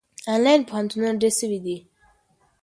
آنلاین پوهنتونونه ډېر سوي دي.